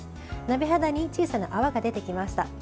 鍋肌に小さな泡が出てきました。